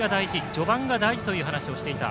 序盤が大事という話をしていた。